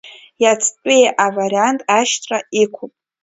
Иацтәи авариант ашьҭра иқәуп.